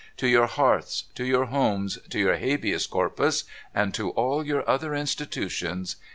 to your Hearths, to your Homes, to your Habeas Corpus, and to all your other institutions